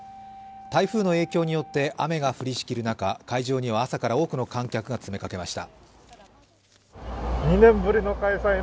台風の影響によって雨が降りしきる中会場には朝から多くの観客が詰めかけました。